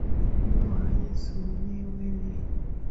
Nyoa hizo nywele